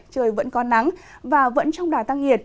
trời vẫn có nắng và vẫn trong đà tăng nhiệt